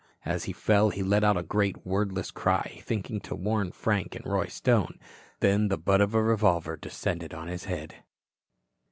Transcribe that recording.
As he fell he let out a great wordless cry, thinking to warn Frank and Roy Stone. Then the butt of a revolver descended on his head.